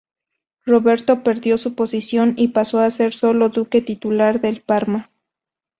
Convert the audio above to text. Roberto perdió su posición, y pasó a ser sólo duque titular de Parma.